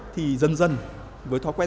thì dần dần với thói quen